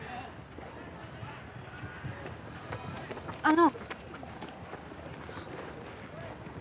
あの